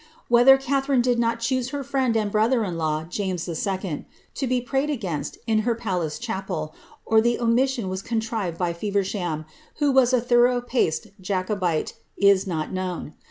Whether Gatharine did not choose her friend and brother^ in law, James H., to be prayed against in her palace chapel, or the omis sion was contrived by Feversham, who was a thorough paced Jacobite, ia not known.